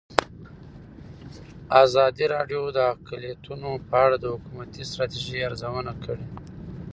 ازادي راډیو د اقلیتونه په اړه د حکومتي ستراتیژۍ ارزونه کړې.